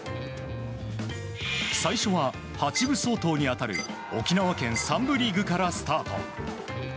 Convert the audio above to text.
最初は８部相当に当たる沖縄県３部リーグからスタート。